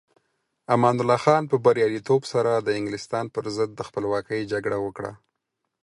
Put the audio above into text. امان الله خان په بریالیتوب سره د انګلستان پر ضد د خپلواکۍ جګړه وکړه.